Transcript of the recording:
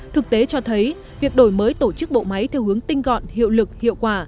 thực tế cho thấy việc đổi mới tổ chức bộ máy theo hướng tinh gọn hiệu lực hiệu quả